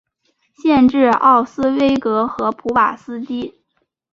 县治奥斯威戈和普瓦斯基。